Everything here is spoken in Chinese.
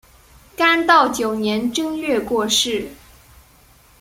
干道九年正月过世。